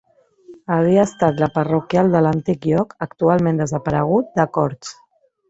Havia estat la parroquial de l'antic lloc, actualment desaparegut, de Corts.